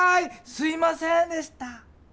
すいませんでした！